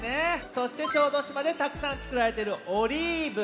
そして小豆島でたくさんつくられているオリーブ。